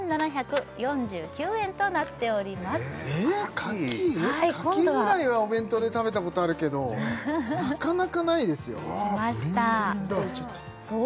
牡蠣フライはお弁当で食べたことあるけどなかなかないですよわ